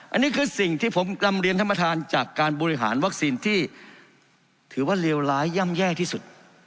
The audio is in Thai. อันนี้คือสิ่งที่ผมกลับเรียนท่านประธานจากการบริหารวัคซีนที่ถือว่าเลวร้ายย่ำแย่ที่สุด